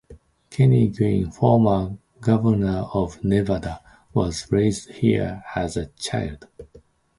Kenny Guinn, former governor of Nevada, was raised here as a child.